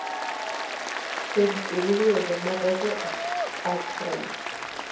Se distribuye desde el Mar Rojo hasta Australia.